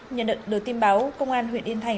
nhận được tin báo công an huyện yên thành